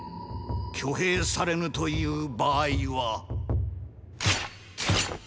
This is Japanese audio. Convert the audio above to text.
挙兵されぬという場合はーー。